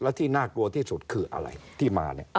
และที่น่ากลัวที่สุดคืออะไรที่มาเนี่ย